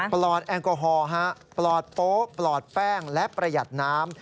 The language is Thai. ลอดแอลกอฮอล์ปลอดโป๊ปลอดแป้งและประหยัดน้ำ